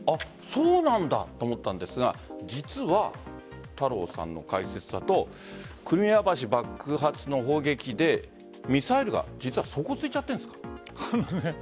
そうなんだと思ったんですが実は、太郎さんの解説だとクリミア橋爆発の砲撃でミサイルが実は底をついちゃってるんですか？